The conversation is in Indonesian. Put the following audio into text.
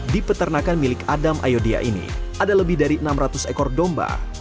di peternakan milik adam ayodya ini ada lebih dari enam ratus ekor domba